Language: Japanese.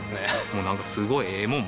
もうなんかすごいええもん